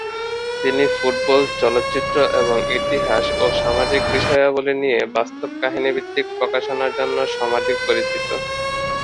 তিনি ফুটবল, চলচ্চিত্র এবং ইতিহাস ও সামাজিক বিষয়াবলি নিয়ে বাস্তব-কাহিনীভিত্তিক প্রকাশনার জন্য সমধিক পরিচিত।